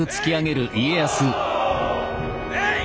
えい！